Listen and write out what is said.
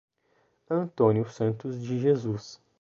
Antônio Santos de Jesus